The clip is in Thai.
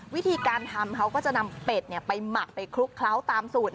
วิธีการทำเขาก็จะนำเป็ดไปหมักไปคลุกเคล้าตามสูตร